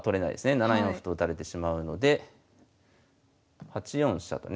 ７四歩と打たれてしまうので８四飛車とね。